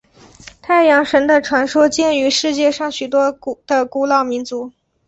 太阳神的传说见于世界上许多的古老民族。